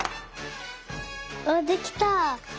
あっできた！